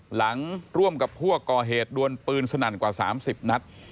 หลังร่วมกับผู้ก่อเหตุด้วนปืนสนั่นกว่า๓๐นัท